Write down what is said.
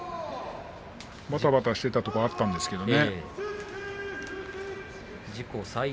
ばたばたしていたところがあったんですけどね。